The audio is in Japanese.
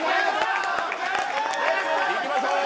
いきましょう。